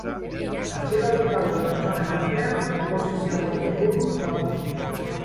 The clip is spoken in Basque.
Atxilotutako pertsonen artean oposizioko bi buru daude.